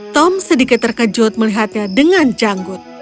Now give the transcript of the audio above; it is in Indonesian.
tom sedikit terkejut melihatnya dengan janggut